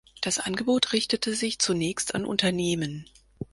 Das Angebot richtete sich zunächst an Unternehmen.